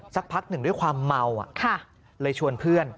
สักพักหนึ่งด้วยความเมาเลยชวนเพื่อน